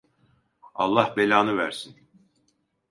Allah belanı versin!